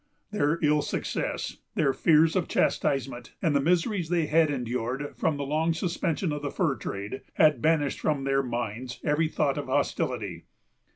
Their ill success, their fears of chastisement, and the miseries they had endured from the long suspension of the fur trade, had banished from their minds every thought of hostility.